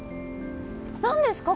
何ですか？